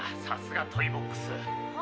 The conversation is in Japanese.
さすがトイボックス。